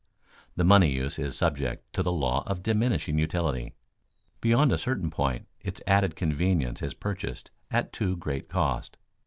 The money use is subject to the law of diminishing utility; beyond a certain point its added convenience is purchased at too great cost.